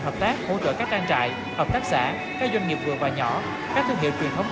hợp tác hỗ trợ các trang trại hợp tác xã các doanh nghiệp vừa và nhỏ các thương hiệu truyền thống